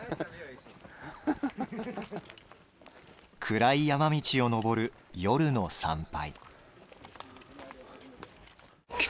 暗い山道を登る夜の参拝。